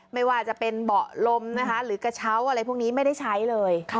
ไม่ว่าจะเป็นเบาะลมนะคะหรือกระเช้าอะไรพวกนี้ไม่ได้ใช้เลย